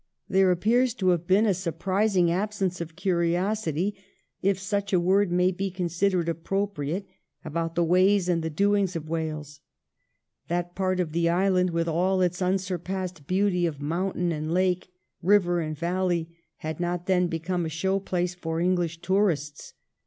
There appears to have been a surprising absence of curiosity — if such a word may be con sidered appropriate — about the ways and the doings of Wales. That part of the island, with all its unsurpassed beauty of mountain and lake, river and valley, had not then become a show place for English tourists.